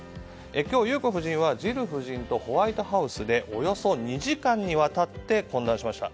今日、裕子夫人は、ジル夫人とホワイトハウスでおよそ２時間にわたって懇談しました。